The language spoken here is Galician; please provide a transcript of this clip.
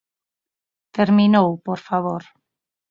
Terminou, por favor.